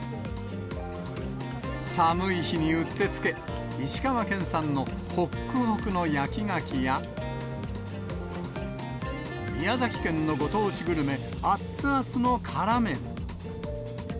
寒い日にうってつけ、石川県産のほっくほくの焼きがきや、宮崎県のご当地グルメ、あっつあつの辛麺。